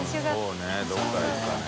修Δどこからいくかね。